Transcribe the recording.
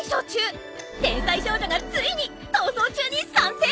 天才少女がついに逃走中に参戦！